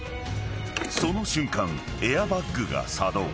［その瞬間エアバッグが作動］